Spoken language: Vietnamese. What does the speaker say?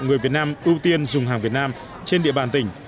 người việt nam ưu tiên dùng hàng việt nam trên địa bàn tỉnh